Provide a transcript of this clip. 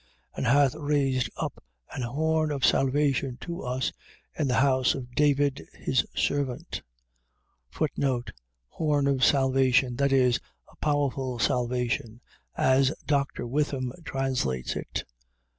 1:69. And hath raised up an horn of salvation to us, in the house of David his servant. Horn of salvation. . .That is, A powerful salvation, as Dr. Witham translates it.